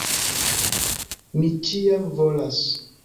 Mi ĉiam volas!